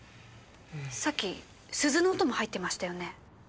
さっき鈴の音も入ってましたよね？